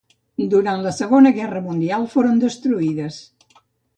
Durant la Segona Guerra Mundial foren destruïdes.